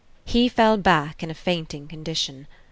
He fell back in a fainting condition.